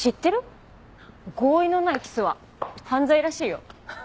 合意のないキスは犯罪らしいよ。